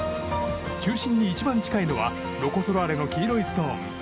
中心に一番近いのはロコ・ソラーレの黄色いストーン。